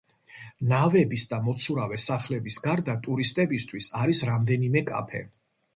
ნავების და მოცურავე სახლების გარდა ტურისტებისთვის არის რამდენიმე კაფე.